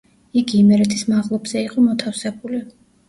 იგი იმერეთის მაღლობზე იყო მოთავსებული.